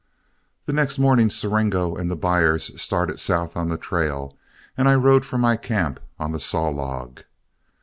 The next morning Siringo and the buyers started south on the trail, and I rode for my camp on the Saw Log.